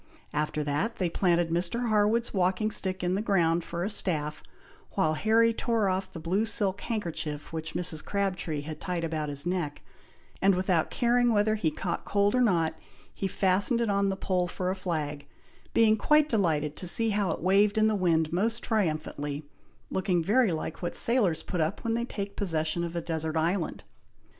After that, they planted Mr. Harwood's walking stick in the ground, for a staff, while Harry tore off the blue silk handkerchief which Mrs. Crabtree had tied about his neck, and without caring whether he caught cold or not, he fastened it on the pole for a flag, being quite delighted to see how it waved in the wind most triumphantly, looking very like what sailors put up when they take possession of a desert island.